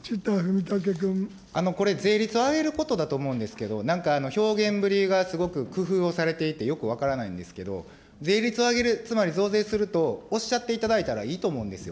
これ、税率を上げることだと思うんですけど、なんか表現ぶりがすごく工夫をされていて、よく分からないんですけど、税率を上げる、つまり増税するとおっしゃっていただいたらいいと思うんですよ。